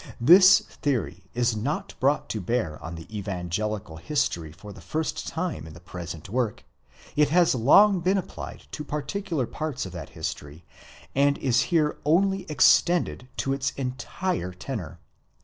This theory is not brought to bear on the evangelical history for the first time in the present work: it has long been applied to particular parts of that history, and is here only extended to its entire tenor.